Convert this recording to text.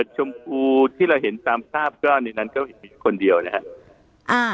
ชมพูที่เราเห็นตามภาพก็มีคนเดียวนะคะ